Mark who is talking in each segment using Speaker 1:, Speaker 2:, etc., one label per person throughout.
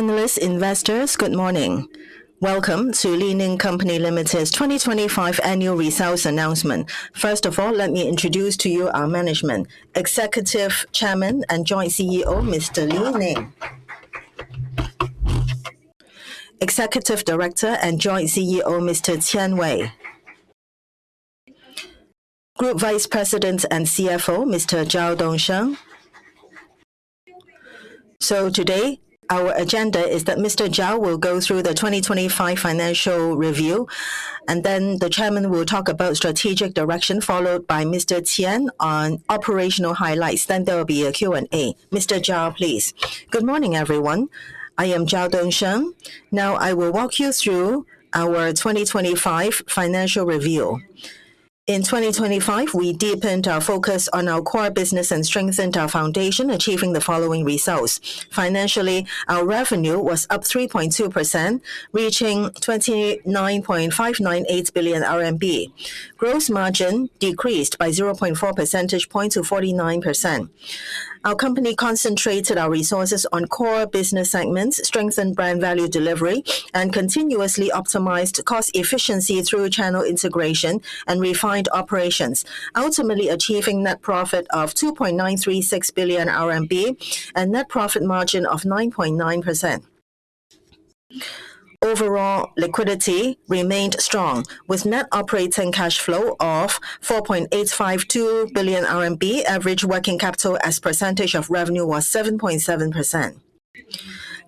Speaker 1: Analysts, investors, good morning. Welcome to Li Ning Company Limited's 2025 annual results announcement. First of all, let me introduce to you our management. Executive Chairman and Joint CEO, Mr. Li Ning. Executive Director and Joint CEO, Mr. Qian Wei. Group Vice President and CFO, Mr. Zhao Dongsheng. Today, our agenda is that Mr. Zhao will go through the 2025 financial review, and then the Chairman will talk about strategic direction, followed by Mr. Qian on operational highlights. There will be a Q&A. Mr. Zhao, please. Good morning, everyone. I am Zhao Dongsheng. Now I will walk you through our 2025 financial review. In 2025, we deepened our focus on our core business and strengthened our foundation, achieving the following results. Financially, our revenue was up 3.2%, reaching 29.598 billion RMB. Gross margin decreased by 0.4 percentage point to 49%. Our company concentrated our resources on core business segments, strengthened brand value delivery, and continuously optimized cost efficiency through channel integration and refined operations, ultimately achieving net profit of 2.936 billion RMB and net profit margin of 9.9%. Overall liquidity remained strong, with net operating cash flow of 4.852 billion RMB. Average working capital as percentage of revenue was 7.7%.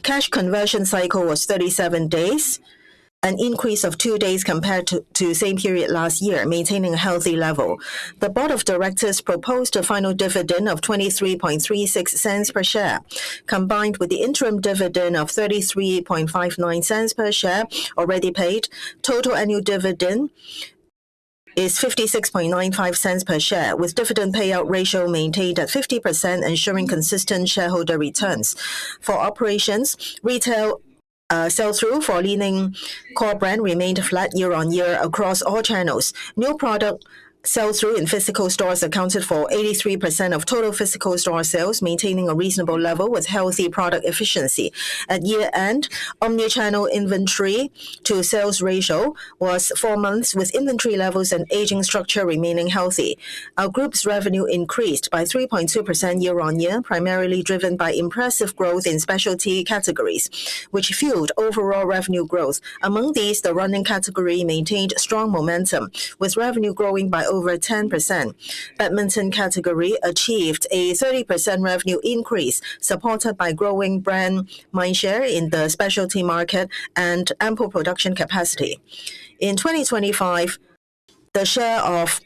Speaker 1: Cash conversion cycle was 37 days, an increase of two days compared to same period last year, maintaining a healthy level. The board of directors proposed a final dividend of 0.2336 per share. Combined with the interim dividend of 0.3359 per share already paid, total annual dividend is 0.5695 per share, with dividend payout ratio maintained at 50%, ensuring consistent shareholder returns. For operations, retail sell-through for Li-Ning core brand remained flat year-on-year across all channels. New product sell-through in physical stores accounted for 83% of total physical store sales, maintaining a reasonable level with healthy product efficiency. At year-end, omni-channel inventory to sales ratio was four months, with inventory levels and aging structure remaining healthy. Our group's revenue increased by 3.2% year-on-year, primarily driven by impressive growth in specialty categories, which fueled overall revenue growth. Among these, the running category maintained strong momentum, with revenue growing by over 10%. Badminton category achieved a 30% revenue increase, supported by growing brand mindshare in the specialty market and ample production capacity. In 2025, the share of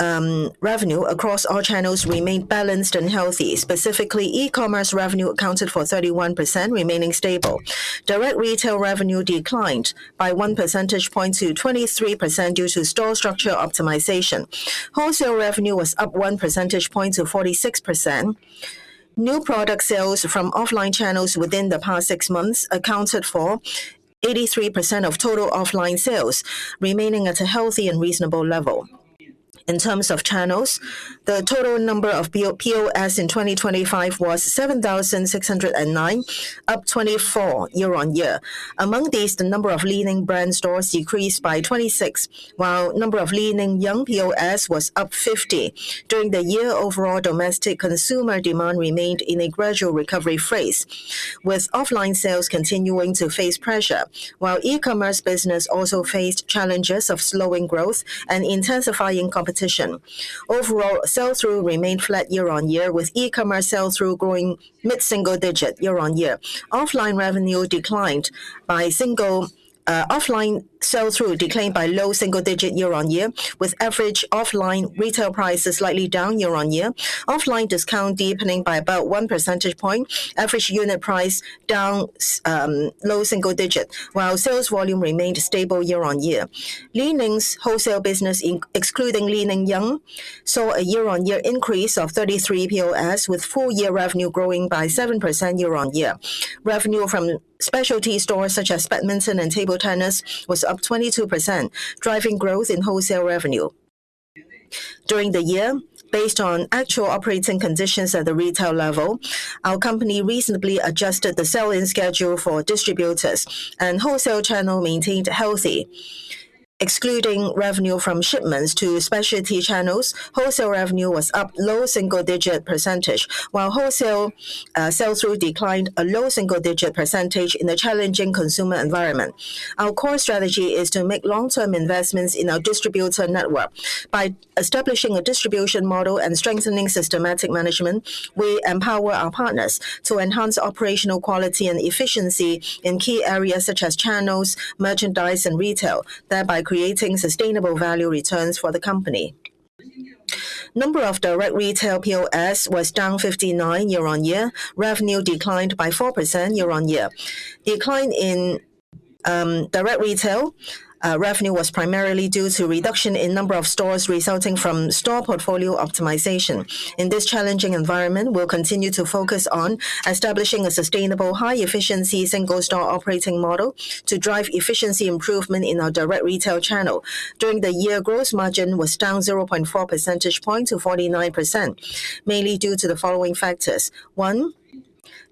Speaker 1: revenue across all channels remained balanced and healthy. Specifically, e-commerce revenue accounted for 31%, remaining stable. Direct retail revenue declined by 1 percentage point to 23% due to store structure optimization. Wholesale revenue was up 1 percentage point to 46%. New product sales from offline channels within the past six months accounted for 83% of total offline sales, remaining at a healthy and reasonable level. In terms of channels, the total number of POS in 2025 was 7,609, up 24 year-on-year. Among these, the number of Li-Ning brand stores decreased by 26, while number of Li-Ning Young POS was up 50. During the year, overall domestic consumer demand remained in a gradual recovery phase, with offline sales continuing to face pressure, while e-commerce business also faced challenges of slowing growth and intensifying competition. Overall, sell-through remained flat year-on-year, with e-commerce sell-through growing mid-single-digit year-on-year. Offline sell-through declined by low single-digit year-on-year, with average offline retail prices slightly down year-on-year. Offline discount deepening by about 1 percentage point. Average unit price down low single-digit, while sales volume remained stable year-on-year. Li-Ning's wholesale business excluding Li-Ning Young saw a year-on-year increase of 33 POS, with full year revenue growing by 7% year-on-year. Revenue from specialty stores such as badminton and table tennis was up 22%, driving growth in wholesale revenue. During the year, based on actual operating conditions at the retail level, our company reasonably adjusted the sell-in schedule for distributors, and wholesale channel maintained healthy. Excluding revenue from shipments to specialty channels, wholesale revenue was up low single-digit percentage, while wholesale sell-through declined a low single-digit percentage in a challenging consumer environment. Our core strategy is to make long-term investments in our distributor network. By establishing a distribution model and strengthening systematic management, we empower our partners to enhance operational quality and efficiency in key areas such as channels, merchandise, and retail, thereby creating sustainable value returns for the company. Number of direct retail POS was down 59 year-on-year. Revenue declined by 4% year-on-year. Decline in direct retail revenue was primarily due to reduction in number of stores resulting from store portfolio optimization. In this challenging environment, we'll continue to focus on establishing a sustainable, high-efficiency, single-store operating model to drive efficiency improvement in our direct retail channel. During the year, gross margin was down 0.4 percentage point to 49%, mainly due to the following factors. One,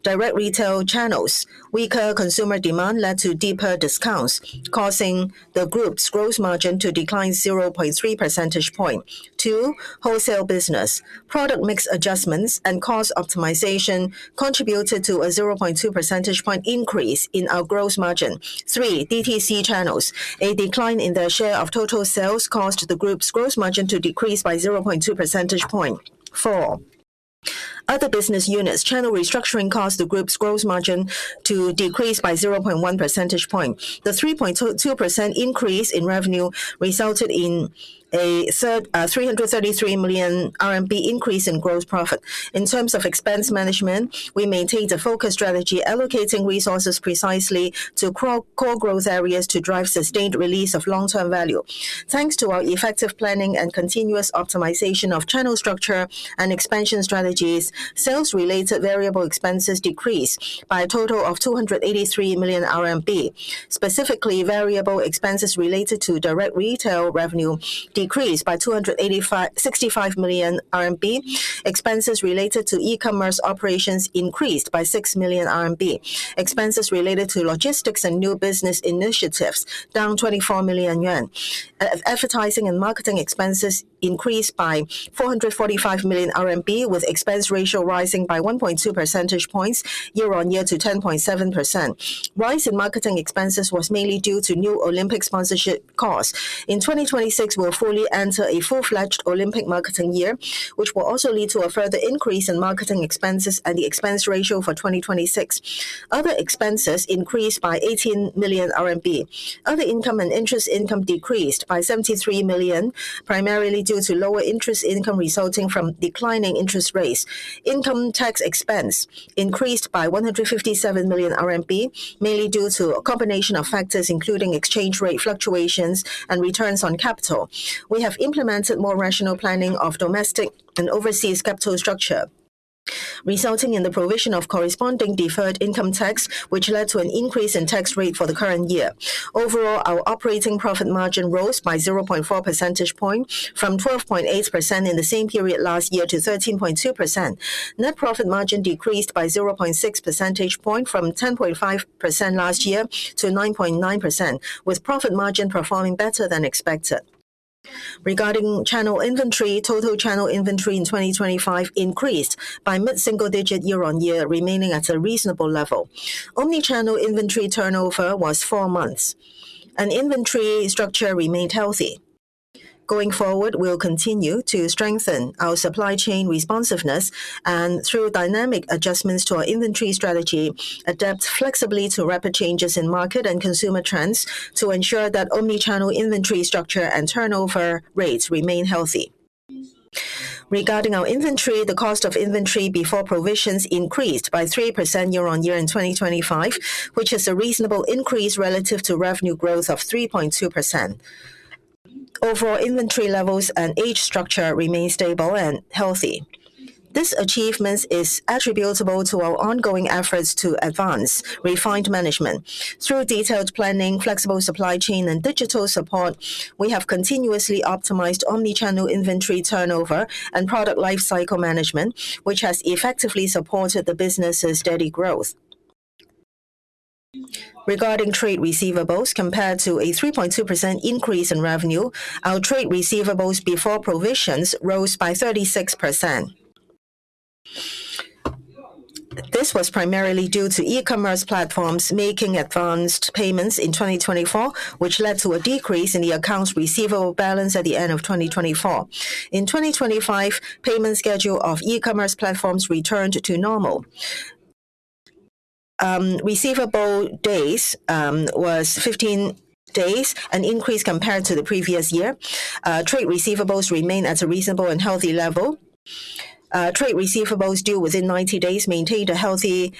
Speaker 1: direct retail channels. Weaker consumer demand led to deeper discounts, causing the group's gross margin to decline 0.3 percentage point. Two, wholesale business. Product mix adjustments and cost optimization contributed to a 0.2 percentage point increase in our gross margin. Three, DTC channels. A decline in their share of total sales caused the group's gross margin to decrease by 0.2 percentage point. Four, other business units. Channel restructuring caused the group's gross margin to decrease by 0.1 percentage point. The 3.2% increase in revenue resulted in a 333 million RMB increase in gross profit. In terms of expense management, we maintained a focused strategy, allocating resources precisely to core growth areas to drive sustained release of long-term value. Thanks to our effective planning and continuous optimization of channel structure and expansion strategies, sales-related variable expenses decreased by a total of 283 million RMB. Specifically, variable expenses related to direct retail revenue decreased by 285 million RMB. Expenses related to e-commerce operations increased by 6 million RMB. Expenses related to logistics and new business initiatives down 24 million yuan. Advertising and marketing expenses increased by 445 million RMB, with expense ratio rising by 1.2 percentage points year-on-year to 10.7%. Rise in marketing expenses was mainly due to new Olympic sponsorship costs. In 2026, we'll fully enter a full-fledged Olympic marketing year, which will also lead to a further increase in marketing expenses and the expense ratio for 2026. Other expenses increased by 18 million RMB. Other income and interest income decreased by 73 million, primarily due to lower interest income resulting from declining interest rates. Income tax expense increased by 157 million RMB, mainly due to a combination of factors, including exchange rate fluctuations and returns on capital. We have implemented more rational planning of domestic and overseas capital structure, resulting in the provision of corresponding deferred income tax, which led to an increase in tax rate for the current year. Overall, our operating profit margin rose by 0.4 percentage point from 12.8% in the same period last year to 13.2%. Net profit margin decreased by 0.6 percentage point from 10.5% last year to 9.9%, with profit margin performing better than expected. Regarding channel inventory, total channel inventory in 2025 increased by mid-single digit year-on-year, remaining at a reasonable level. Omnichannel inventory turnover was four months, and inventory structure remained healthy. Going forward, we'll continue to strengthen our supply chain responsiveness and through dynamic adjustments to our inventory strategy, adapt flexibly to rapid changes in market and consumer trends to ensure that omnichannel inventory structure and turnover rates remain healthy. Regarding our inventory, the cost of inventory before provisions increased by 3% year-on-year in 2025, which is a reasonable increase relative to revenue growth of 3.2%. Overall inventory levels and age structure remain stable and healthy. This achievement is attributable to our ongoing efforts to advance refined management. Through detailed planning, flexible supply chain, and digital support, we have continuously optimized omnichannel inventory turnover and product lifecycle management, which has effectively supported the business's steady growth. Regarding trade receivables, compared to a 3.2% increase in revenue, our trade receivables before provisions rose by 36%. This was primarily due to e-commerce platforms making advanced payments in 2024, which led to a decrease in the accounts receivable balance at the end of 2024. In 2025, payment schedule of e-commerce platforms returned to normal. Receivable days was 15 days, an increase compared to the previous year. Trade receivables remain at a reasonable and healthy level. Trade receivables due within 90 days maintained a healthy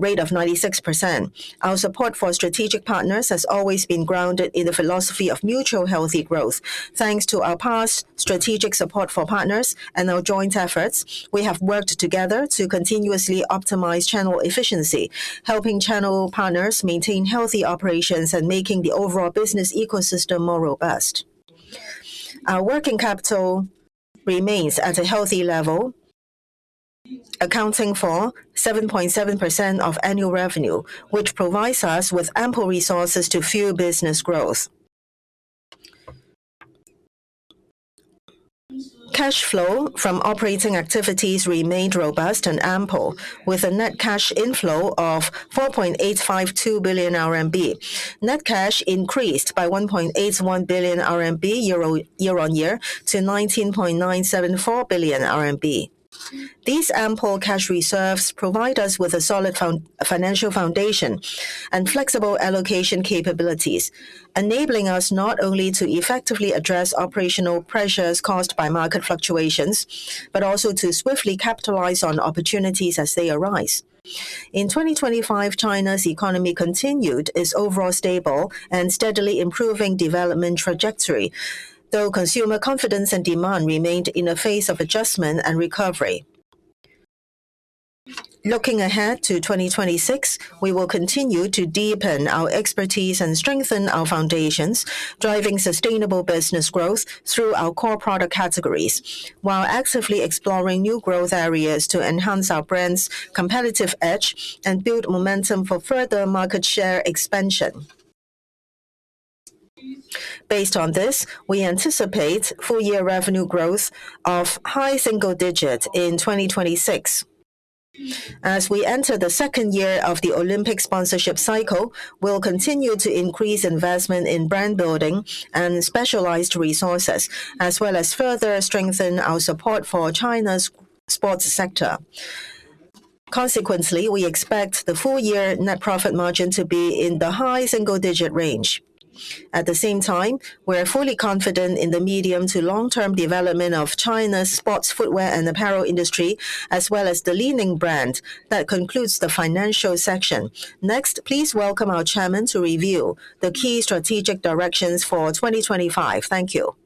Speaker 1: rate of 96%. Our support for strategic partners has always been grounded in the philosophy of mutual healthy growth. Thanks to our past strategic support for partners and our joint efforts, we have worked together to continuously optimize channel efficiency, helping channel partners maintain healthy operations and making the overall business ecosystem more robust. Our working capital remains at a healthy level, accounting for 7.7% of annual revenue, which provides us with ample resources to fuel business growth. Cash flow from operating activities remained robust and ample, with a net cash inflow of 4.852 billion RMB. Net cash increased by 1.81 billion RMB year-over-year to 19.974 billion RMB. These ample cash reserves provide us with a solid financial foundation and flexible allocation capabilities, enabling us not only to effectively address operational pressures caused by market fluctuations, but also to swiftly capitalize on opportunities as they arise. In 2025, China's economy continued its overall stable and steadily improving development trajectory, though consumer confidence and demand remained in a phase of adjustment and recovery. Looking ahead to 2026, we will continue to deepen our expertise and strengthen our foundations, driving sustainable business growth through our core product categories while actively exploring new growth areas to enhance our brand's competitive edge and build momentum for further market share expansion. Based on this, we anticipate full-year revenue growth of high single-digit in 2026. As we enter the second year of the Olympic sponsorship cycle, we'll continue to increase investment in brand building and specialized resources, as well as further strengthen our support for China's sports sector. Consequently, we expect the full year net profit margin to be in the high single-digit range. At the same time, we are fully confident in the medium to long-term development of China's sports footwear and apparel industry, as well as the Li-Ning brand. That concludes the financial section. Next, please welcome our chairman to review the key strategic directions for 2025. Thank you.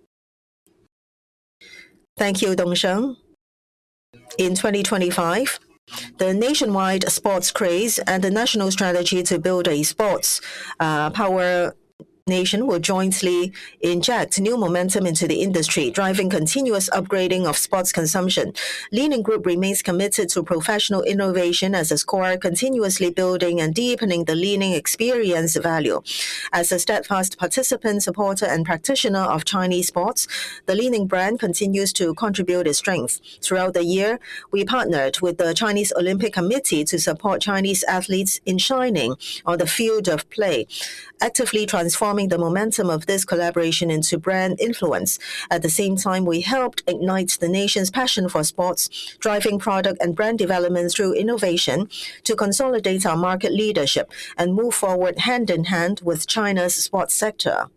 Speaker 1: Thank you, Dongsheng. In 2025, the nationwide sports craze and the national strategy to build a sports power nation will jointly inject new momentum into the industry, driving continuous upgrading of sports consumption. Li-Ning Group remains committed to professional innovation as a core, continuously building and deepening the Li-Ning experience value. As a steadfast participant, supporter, and practitioner of Chinese sports, the Li-Ning brand continues to contribute its strength. Throughout the year, we partnered with the Chinese Olympic Committee to support Chinese athletes in shining on the field of play, actively transforming the momentum of this collaboration into brand influence. At the same time, we helped ignite the nation's passion for sports, driving product and brand development through innovation to consolidate our market leadership and move forward hand in hand with China's sports sector.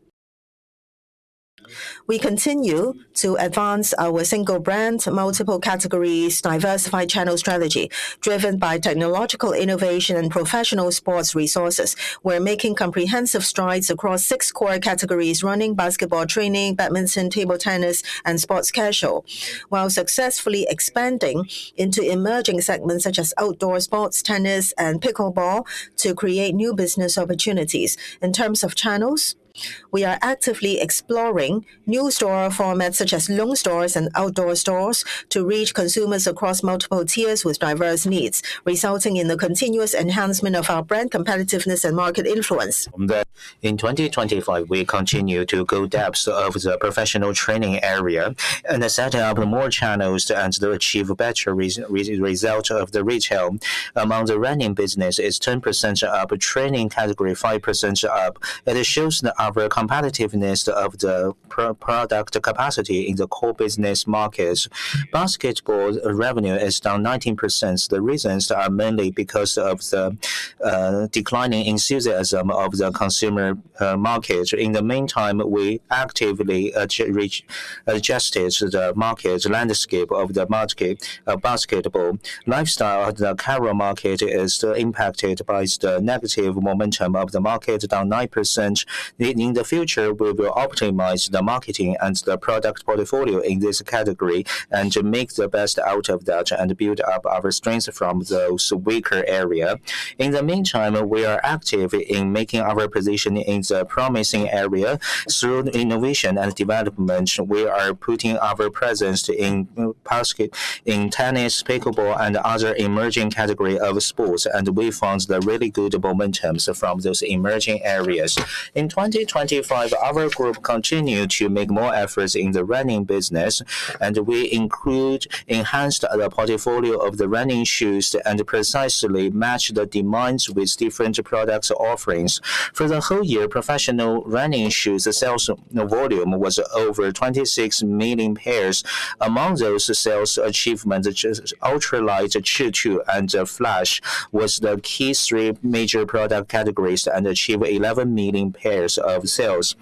Speaker 1: We continue to advance our single brand, multiple categories, diversified channel strategy. Driven by technological innovation and professional sports resources, we're making comprehensive strides across six core categories, running, basketball, training, badminton, table tennis, and sports casual, while successfully expanding into emerging segments such as outdoor sports, tennis, and pickleball to create new business opportunities. In terms of channels, we are actively exploring new store formats such as Dragon stores and outdoor stores to reach consumers across multiple tiers with diverse needs, resulting in the continuous enhancement of our brand competitiveness and market influence.
Speaker 2: In 2025, we continue to go in depth in the professional training area and set up more channels and to achieve better result in the retail. Among the running business is 10% up. Training category, 5% up. It shows the overall competitiveness of the product capacity in the core business markets. Basketball revenue is down 19%. The reasons are mainly because of the declining enthusiasm of the consumer market. In the meantime, we actively adjusted the market landscape of the market. Basketball lifestyle, the current market is impacted by the negative momentum of the market, down 9%. In the future, we will optimize the marketing and the product portfolio in this category and to make the best out of that and build up our strength from those weaker area. In the meantime, we are active in making our position in the promising area. Through innovation and development, we are putting our presence in basketball and tennis, pickleball, and other emerging category of sports, and we found the really good momentums from those emerging areas. In 2025, our group continued to make more efforts in the running business, and we enhanced the portfolio of the running shoes and precisely matched the demands with different product offerings. For the whole year, professional running shoes sales volume was over 26 million pairs. Among those sales achievement, which is Ultralight, Chitu, and Feidian, was the key three major product categories and achieved 11 million pairs of sales.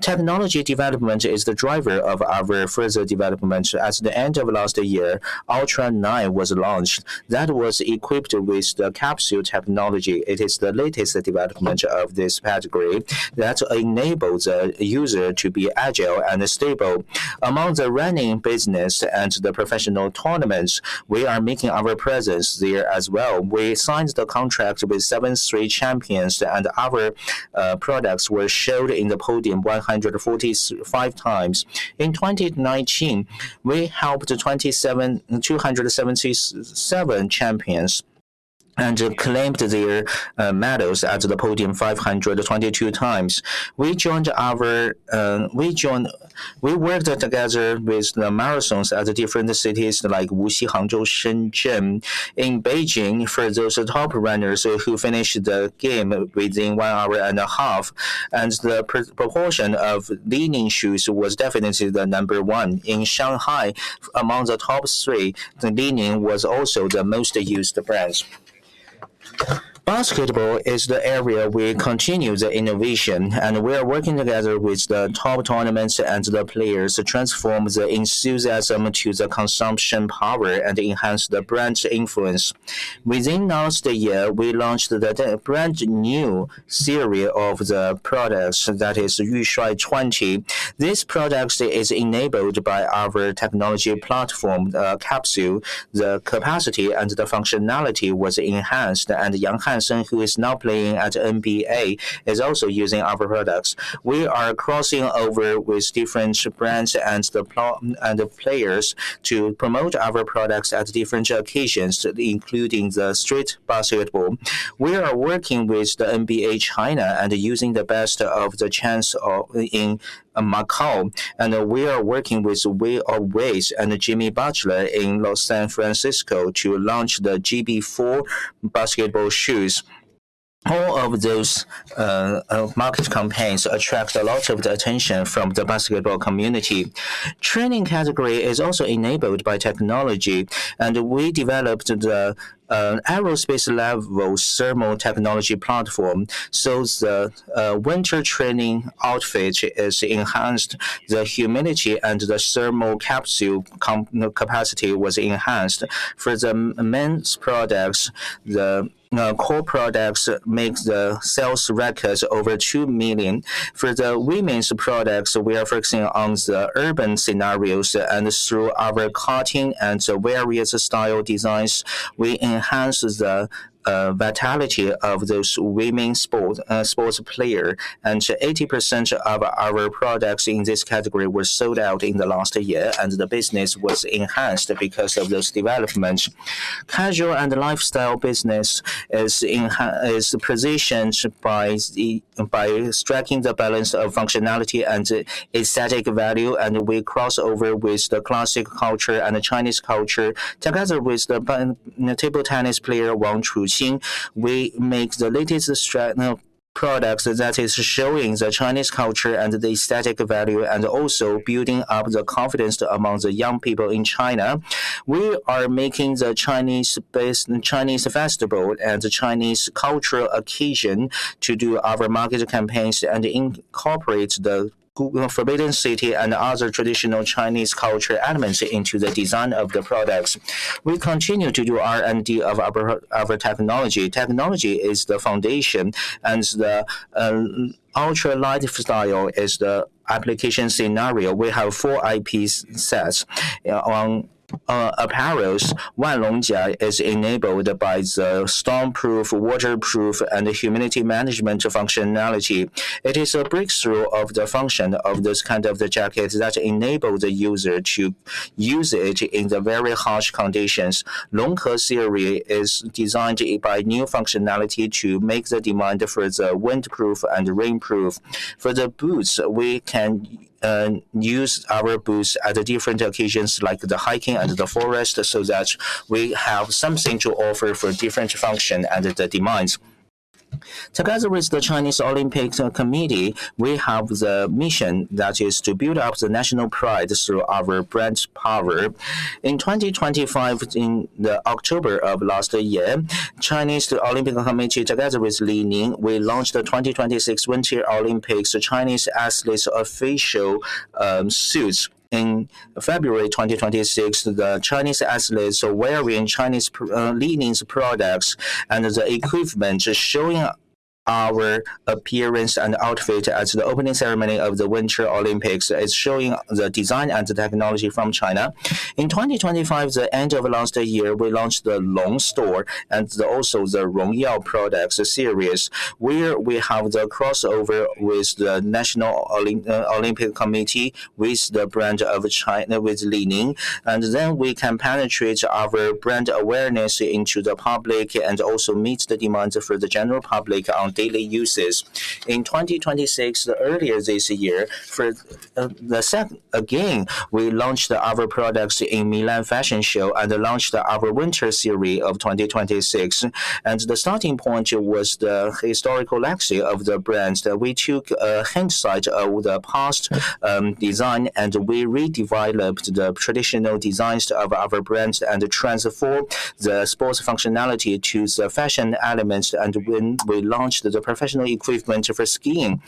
Speaker 2: Technology development is the driver of our further development. At the end of last year, Ultralight was launched. That was equipped with the capsule technology. It is the latest development of this category that enables the user to be agile and stable. Among the running business and the professional tournaments, we are making our presence there as well. We signed the contract with seven straight champions and our products were shown on the podium 145x. In 2019, we helped 27,277 champions and claimed their medals on the podium 522x. We worked together with the marathons at different cities like Wuxi, Hangzhou, Shenzhen. In Beijing, for those top runners who finished the game within one hour and a half, the proportion of Li-Ning shoes was definitely number one. In Shanghai, among the top three, the Li-Ning was also the most used brand. Basketball is the area we continue the innovation, and we are working together with the top tournaments and the players to transform the enthusiasm to the consumption power and enhance the brand's influence. Within last year, we launched the brand new series of the products, that is Yu Shuai 20. This product is enabled by our technology platform, BOOM. The capacity and the functionality was enhanced, and Yang Hansen, who is now playing at NBA, is also using our products. We are crossing over with different brands and the players to promote our products at different occasions, including the street basketball. We are working with the NBA China and using the best chance in Macau, and we are working with Way of Wade and Jimmy Butler in San Francisco to launch the GB4 basketball shoes. All of those market campaigns attract a lot of the attention from the basketball community. Training category is also enabled by technology, and we developed the aerospace level thermal technology platform. The winter training outfit is enhanced, the humidity and the thermal capsule capacity was enhanced. For the men's products, the core products makes the sales records over two million. For the women's products, we are focusing on the urban scenarios and through our cutting and the various style designs, we enhance the vitality of those women's sports player. 80% of our products in this category were sold out in the last year, and the business was enhanced because of those developments. Casual and lifestyle business is positioned by striking the balance of functionality and aesthetic value, and we cross over with the classic culture and the Chinese culture. Together with the table tennis player Wang Chuqin, we make the latest products that is showing the Chinese culture and the aesthetic value, and also building up the confidence among the young people in China. We are making the Chinese-based Chinese festival and the Chinese cultural occasion to do our market campaigns and incorporate the Forbidden City and other traditional Chinese cultural elements into the design of the products. We continue to do R&D of our technology. Technology is the foundation, and the ultra-light style is the application scenario. We have four IP sets on our apparels. Wanlongjia is enabled by the storm proof, waterproof, and humidity management functionality. It is a breakthrough of the function of this kind of the jackets that enable the user to use it in the very harsh conditions. Longkou series is designed by new functionality to make the demand for the windproof and rainproof. For the boots, we can use our boots at the different occasions like the hiking and the forest, so that we have something to offer for different function and the demands. Together with the Chinese Olympic Committee, we have the mission that is to build up the national pride through our brand's power. In 2025, in the October of last year, Chinese Olympic Committee, together with Li-Ning, we launched the 2026 Winter Olympics, the Chinese athletes official suits. In February 2026, the Chinese athletes were wearing Li-Ning's products and the equipment showing our appearance and outfit at the opening ceremony of the Winter Olympics. It's showing the design and the technology from China. In 2025, the end of last year, we launched the Longstore and also the Rongyao products series, where we have the crossover with the National Olympic Committee with the brand of China, with Li-Ning. We can penetrate our brand awareness into the public and also meet the demands for the general public on daily uses. In 2026, earlier this year, we launched our products in Milan Fashion Show and launched our winter series of 2026. The starting point was the historical legacy of the brands that we took, hindsight of the past, design, and we redeveloped the traditional designs of our brands and transformed the sports functionality to the fashion elements and when we launched the professional equipment for skiing.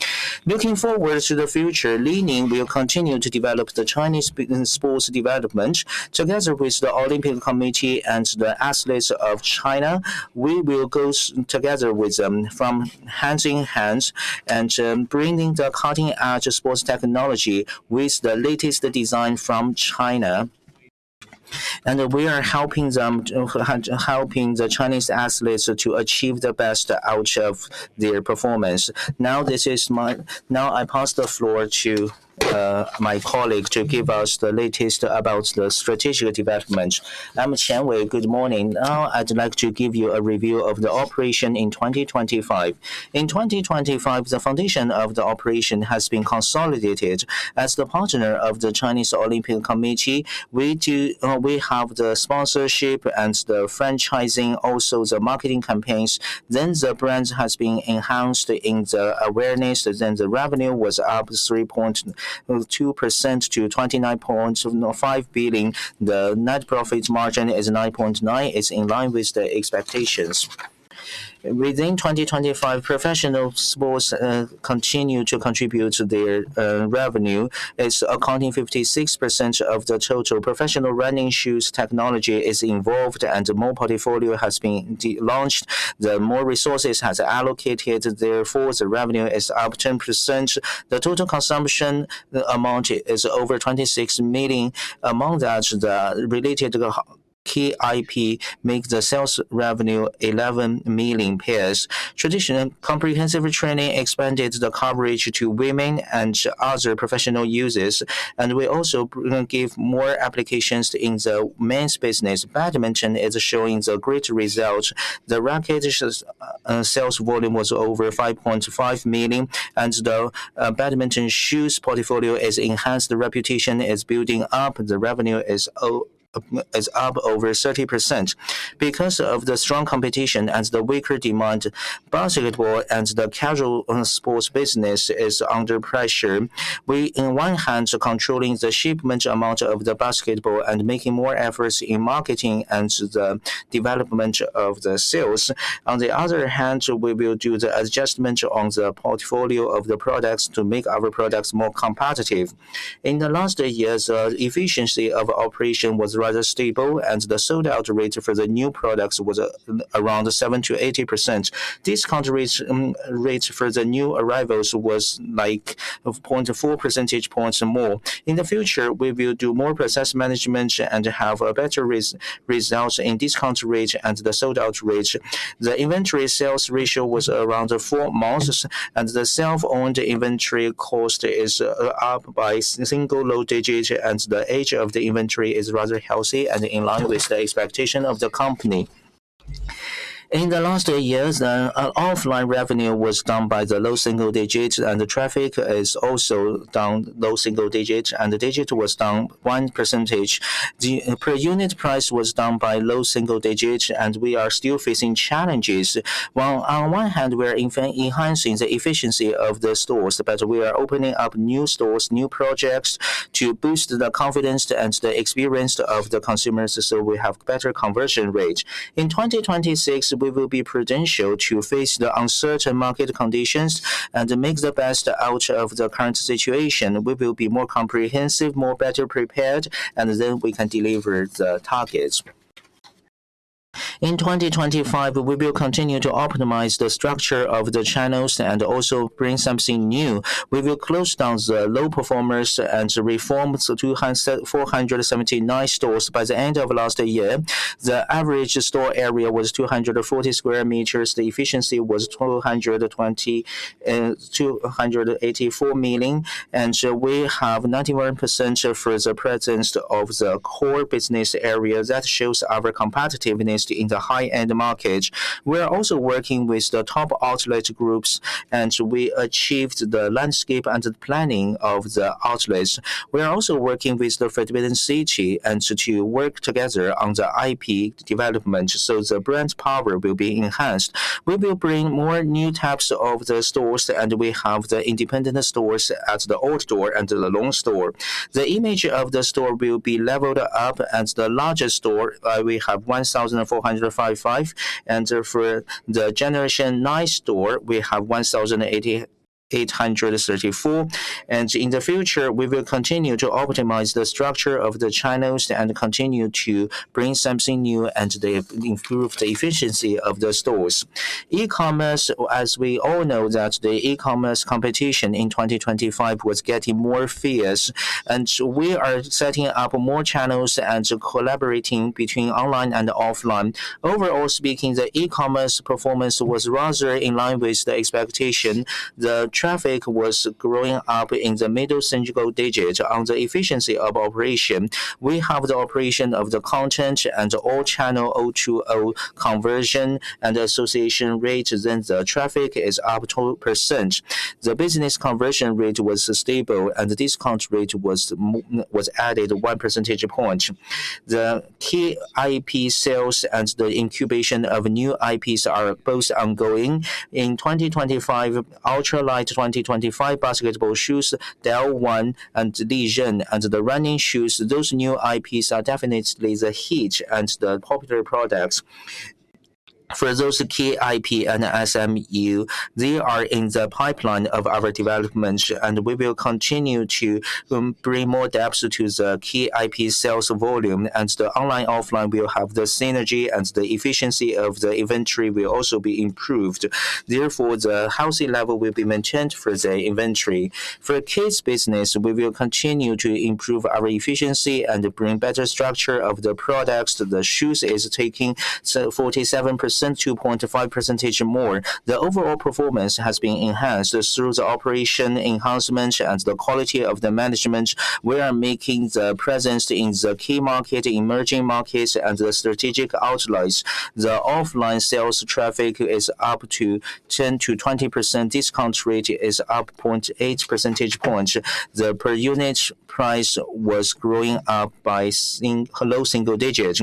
Speaker 2: Looking forward to the future, Li Ning will continue to develop the Chinese sports development. Together with the Olympic Committee and the athletes of China, we will go together with them hand in hand and bringing the cutting-edge sports technology with the latest design from China. We are helping them, the Chinese athletes, to achieve the best out of their performance. I pass the floor to my colleague to give us the latest about the strategic development.
Speaker 3: I'm Qian Wei. Good morning. Now, I'd like to give you a review of the operation in 2025. In 2025, the foundation of the operation has been consolidated. As the partner of the Chinese Olympic Committee, we have the sponsorship and the franchising, also the marketing campaigns. The brand has been enhanced in the awareness. The revenue was up 3.2% to 29.5 billion. The net profit margin is 9.9%. It's in line with the expectations. Within 2025, professional sports continue to contribute to the revenue. It's accounting 56% of the total. Professional running shoes technology is involved and more portfolio has been launched. The more resources has allocated, therefore, the revenue is up 10%. The total consumption amount is over 26 million. Among that, the related key IP make the sales revenue 11 million pairs. Traditional comprehensive training expanded the coverage to women and other professional users. We also give more applications in the men's business. Badminton is showing the great results. The racket sales volume was over 5.5 million. The badminton shoes portfolio is enhanced. The reputation is building up. The revenue is up over 30%. Because of the strong competition and the weaker demand, basketball and the casual sports business is under pressure. We on one hand are controlling the shipment amount of the basketball and making more efforts in marketing and the development of the sales. On the other hand, we will do the adjustment on the portfolio of the products to make our products more competitive. In the last eight years, efficiency of operation was rather stable and the sold-out rate for the new products was around 70%-80%. Discount rates for the new arrivals was like 0.4 percentage points more. In the future, we will do more process management and have a better results in discount rate and the sold-out rate. The inventory sales ratio was around four months, and the self-owned inventory cost is up by single low digit, and the age of the inventory is rather healthy and in line with the expectation of the company. In the last eight years, our offline revenue was down by the low single digits, and the traffic is also down low single digits, and the conversion was down 1%. The per unit price was down by low single digits, and we are still facing challenges. While on one hand, we are fine-tuning the efficiency of the stores, but we are opening up new stores, new projects to boost the confidence and the experience of the consumers, so we have better conversion rate. In 2026, we will be prudent to face the uncertain market conditions and make the best out of the current situation. We will be more comprehensive, more better prepared, and then we can deliver the targets. In 2025, we will continue to optimize the structure of the channels and also bring something new. We will close down the low performers and reform 479 stores. By the end of last year, the average store area was 240 sq m. The efficiency was 1,220, 284 million. We have 91% for the presence of the core business area. That shows our competitiveness in the high-end market. We are also working with the top outlet groups, and we achieved the landscape and the planning of the outlets. We are also working with the Forbidden City to work together on the IP development, so the brand power will be enhanced. We will bring more new types of the stores, and we have the independent stores as the O2O store and the Dragon store. The image of the store will be leveled up as the largest store. We have 1,455. For the generation nine store, we have 834. In the future, we will continue to optimize the structure of the channels and continue to bring something new and to improve the efficiency of the stores. E-commerce, as we all know that the e-commerce competition in 2025 was getting more fierce. We are setting up more channels and collaborating between online and offline. Overall speaking, the e-commerce performance was rather in line with the expectation. The traffic was growing up in the mid-single digit. On the efficiency of operation, we have the operation of the content and all channel O2O conversion and association rate. The traffic is up 2%. The business conversion rate was stable and discount rate was added 1 percentage point. The key IP sales and the incubation of new IPs are both ongoing. In 2025, Ultralight 2025 basketball shoes, Del One and Liren, and the running shoes, those new IPs are definitely the hit and the popular products. For those key IP and SMU, they are in the pipeline of our development, and we will continue to bring more depth to the key IP sales volume. The online, offline will have the synergy, and the efficiency of the inventory will also be improved. Therefore, the inventory level will be maintained for the inventory. For kids business, we will continue to improve our efficiency and bring better structure of the products. The shoes is taking 47%, 2.5 percentage more. The overall performance has been enhanced through the operational enhancement and the quality of the management. We are making the presence in the key market, emerging markets and the strategic outlets. The offline sales traffic is up 10%-20%. Discount rate is up 0.8 percentage points. The per unit price was growing up by low single digits.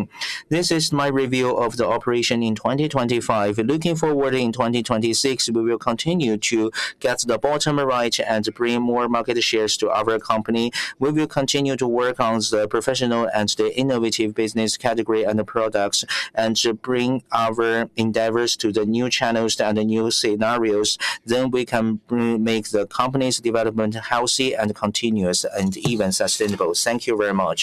Speaker 3: This is my review of the operation in 2025. Looking forward in 2026, we will continue to get the bottom right and bring more market shares to our company. We will continue to work on the professional and the innovative business category and the products, and to bring our endeavors to the new channels and the new scenarios, then we can make the company's development healthy and continuous and even sustainable. Thank you very much.